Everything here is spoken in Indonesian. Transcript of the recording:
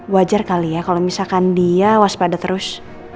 wajar kali ya kalau misalkan dia waspada terus